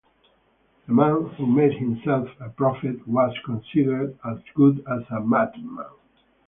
The man who made himself a prophet was considered as good as a madman.